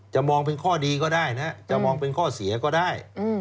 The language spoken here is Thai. มองเป็นข้อดีก็ได้นะจะมองเป็นข้อเสียก็ได้